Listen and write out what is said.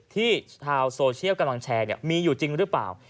ชาวโซเชียลกำลังแชร์มีอยู่จริงหรือเปล่า